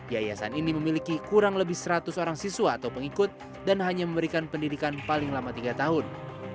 yayasan ini memiliki kurang lebih seratus orang siswa atau pengikut dan hanya memberikan pendidikan paling lama tiga tahun